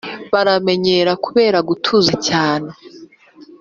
baramenyera kubera gutuza cyane,